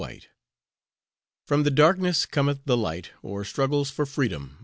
Delaney] FROM THE DARKNESS COMETH THE LIGHT OR STRUGGLES FOR FREEDOM.